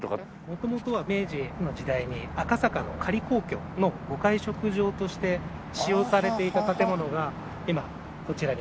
元々は明治の時代に赤坂の仮皇居のご会食所として使用されていた建物が今こちら。